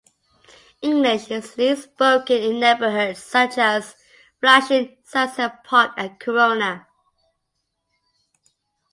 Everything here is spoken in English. English is least spoken in neighborhoods such as Flushing, Sunset Park, and Corona.